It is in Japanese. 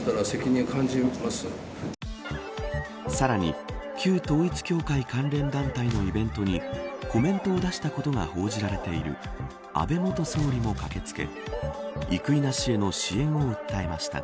さらに、旧統一教会関連団体のイベントにコメントを出したことが報じられている安倍元総理も駆けつけ生稲氏への支援を訴えました。